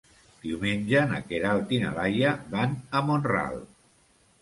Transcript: Diumenge na Queralt i na Laia van a Mont-ral.